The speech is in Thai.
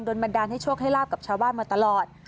บันดาลให้โชคให้ลาบกับชาวบ้านมาตลอด